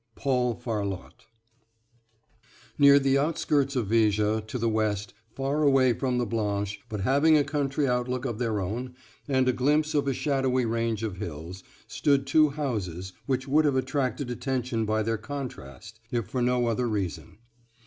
PAUL FARLOTTE. NEAR the outskirts of Viger, to the west, far away from the Blanche, but having a country outlook of their own, and a glimpse of a shadowy range of hills, stood two houses which would have attracted attention by their contrast, if for no other reason.